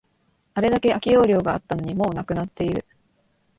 あれだけ空き容量があったのに、もうなくなっている